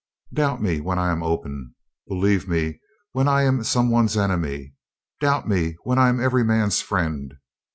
Doubt me when I am open. Believe me when I am some one's enemy. Doubt me when I am every man's friend."